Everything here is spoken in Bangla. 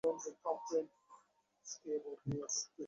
কলিকাতায় শুনিতেছি নাকি প্লেগ একেবারে বন্ধ হইয়া গিয়াছে।